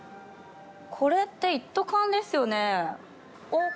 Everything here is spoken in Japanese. これって一斗缶ですよね？